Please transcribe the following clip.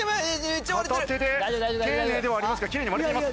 片手で丁寧ではありますがきれいに割れています。